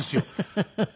フフフフ。